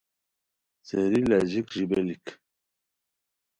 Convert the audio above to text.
سیری لاژیک ژیبلیک